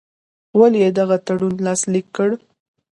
ولي یې دغه تړون لاسلیک کړ.